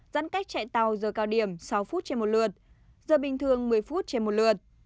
giãn cách chạy tàu giờ cao điểm sáu phút trên một lượt giờ bình thường một mươi phút trên một lượt